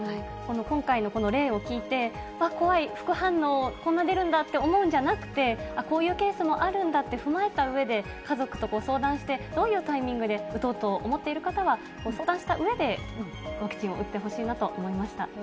今回のこの例を聞いて、怖い、副反応、こんな出るんだって思うんじゃなくて、こういうケースもあるんだって踏まえたうえで、家族と相談して、どういうタイミングで、打とうと思っている方は、相談したうえで、ワクチンを打ってほしいなと思いました。